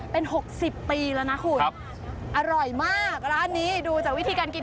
เป็น๖๐ปีแล้วนะคุณอร่อยมากร้านนี้ดูจากวิธีการกิน